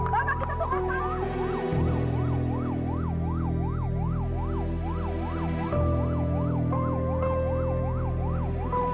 pak bapak kita tuh ngapain